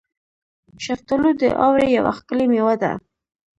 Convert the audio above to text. شفتالو د اوړي یوه ښکلې میوه ده.